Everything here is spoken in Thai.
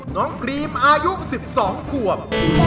น้องพรีมอายุ๑๒ควบ